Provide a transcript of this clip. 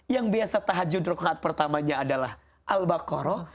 yang biasa tahajud durhad pertamanya adalah al baqarah